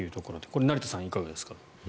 これ、成田さんいかがでしょうか。